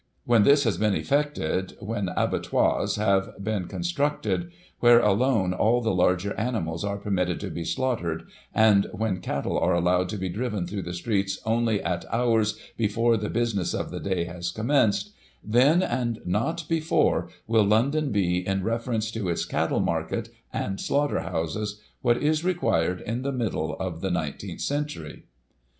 When this has been effected — ^when abattoirs have been con structed, where, alone, all the larger animals are permitted to be slaughtered, and when cattle are allowed to be driven through the streets only at hours before the business of the day has commenced — ^then, and not before, will London be, in reference to its cattle market and slaughter houses, what is required in the middle of the nineteenth century."